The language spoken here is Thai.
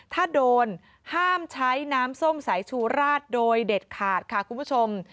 ถ้าโดนห้ามใช้น้ำส้มสายชูราดโดยเด็ดขาดค่ะคุณผู้ชม